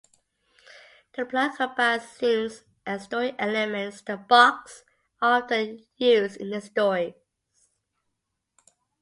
The plot combines themes and story elements that Barks often used in his stories.